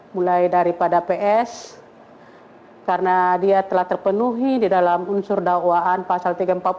mulai daripada ps karena dia telah terpenuhi di dalam unsur dakwaan pasal tiga ratus empat puluh